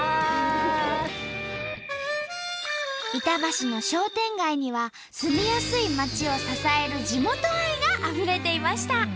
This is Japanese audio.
板橋の商店街には住みやすい街を支える地元愛があふれていました。